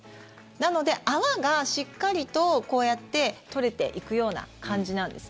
なので泡がしっかりとこうやって取れていくような感じなんです。